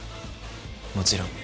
もちろん。